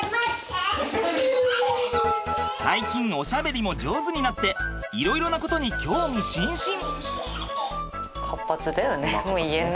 最近おしゃべりも上手になっていろいろなことに興味津々。